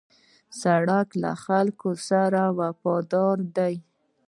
سړک له خلکو سره وفاداره دی.